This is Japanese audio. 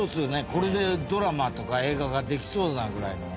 これでドラマとか映画ができそうなぐらいの話ですよね。